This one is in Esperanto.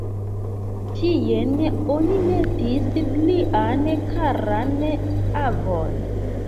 Tien oni metis lian karan avon.